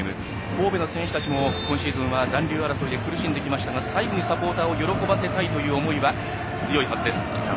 神戸の選手たちも今シーズンは残留争いで苦しんできましたが最後にサポーターを喜ばせたいという思いは強いはずです。